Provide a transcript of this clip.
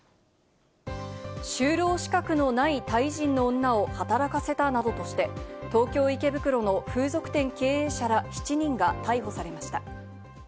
就労資格のないタイ人の女を働かせたなどとして、東京・池袋の風俗店経営者ら７人が逮捕されました。